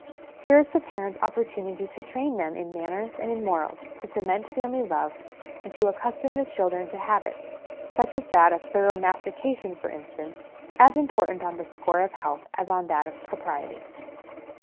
Here is the parents' opportunity to train them in manners and in morals, to cement family love, and to accustom the children to habits, such as that of thorough mastication, for instance, as important on the score of health as on that of propriety.